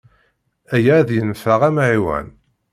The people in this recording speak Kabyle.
Aya ad yenfeɛ amɣiwan.